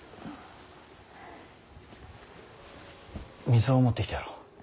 水を持ってきてやろう。